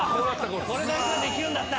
「これだけはできるんだった！」